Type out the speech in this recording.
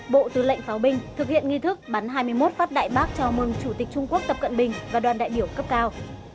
bộ tư lệnh pháo binh thực hiện nghi thức bắn hai mươi một phát đại bác chào mừng chủ tịch trung quốc tập cận bình và đoàn đại biểu cấp cao